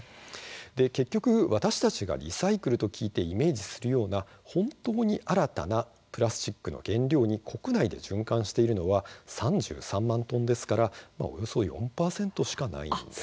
結局私たちがリサイクルと聞いてイメージするような本当に新たなプラスチックの原料に国内で循環しているのは３３万トンですからおよそ４％しかないんです。